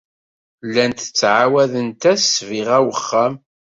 Llant ttɛawadent-as ssbiɣa i wexxam.